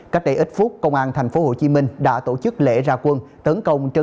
cách đây ít phút công an tp hcm đã tổ chức lễ ra quân